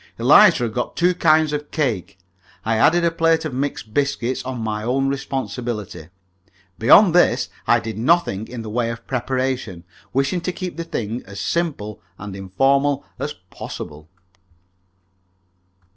Eliza had got two kinds of cake; I added a plate of mixed biscuits on my own responsibility. Beyond this, I did nothing in the way of preparation, wishing to keep the thing as simple and informal as possible.